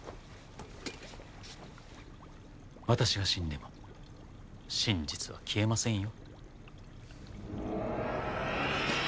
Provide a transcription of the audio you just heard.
私が死んでも真実は消えませんよ。